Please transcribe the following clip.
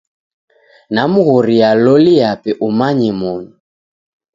Namghoria loli yape umanye moni.